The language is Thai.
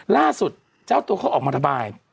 ล่าสุดเจ้าตัวเขาออกมาระบาย